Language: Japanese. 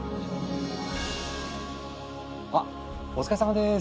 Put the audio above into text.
あお疲れさまです。